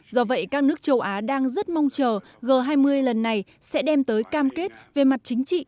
do vậy các nước châu á đang rất mong chờ g hai mươi lần này sẽ đem tới cam kết về mặt chính trị